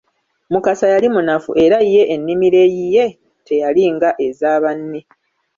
Mukasa yali munafu era ye ennimiro eyiye teyali nga eza banne.